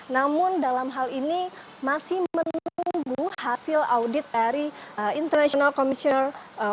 namun dalam hal ini masih menunggu hasil audit dari international commission of data